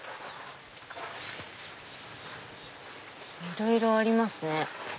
いろいろありますね。